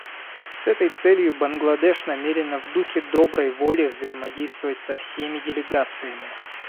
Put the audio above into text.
С этой целью Бангладеш намерена в духе доброй воли взаимодействовать со всеми делегациями.